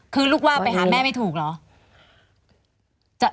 คือลูกว่าไปหาแม่ไม่ถูกเหรอ